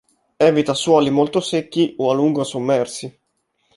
Evita suoli molto secchi o a lungo sommersi.